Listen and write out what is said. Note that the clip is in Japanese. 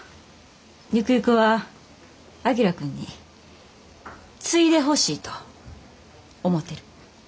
ゆくゆくは章君に継いでほしいと思てる。